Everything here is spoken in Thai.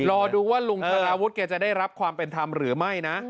รอดูว่าลุงธนาวุฒิแกจะได้รับความเป็นธรรมหรือไม่นะ